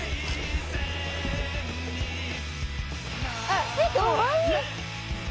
あっえっかわいい。